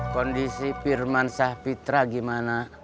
kondisi pirmansah pitra gimana